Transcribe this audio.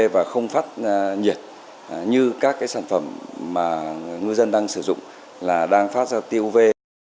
và không phát nhiệt như các sản phẩm mà ngư dân đang sử dụng là đang phát ra tiêu uv